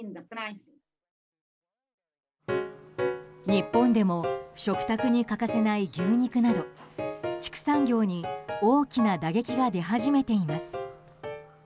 日本でも食卓に欠かせない牛肉など畜産業に大きな打撃が出始めています。